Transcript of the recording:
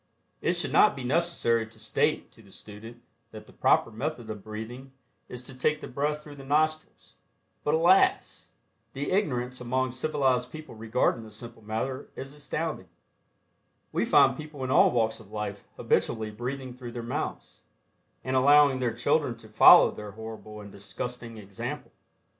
It should not be necessary to state to the student that the proper method of breathing is to take the breath through the nostrils, but alas! the ignorance among civilized people regarding this simple matter is astounding. We find people in all walks of life habitually breathing through their mouths, and allowing their children to follow their horrible and disgusting example.